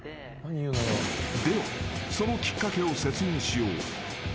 ［ではそのきっかけを説明しよう］